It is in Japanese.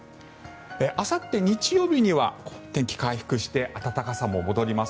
あさって日曜日には天気、回復して暖かさも戻ります。